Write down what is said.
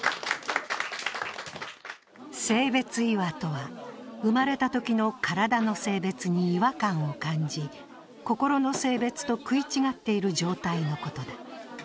性別違和とは、生まれたときの体の性別に違和感を感じ心の性別と食い違っている状態のことだ。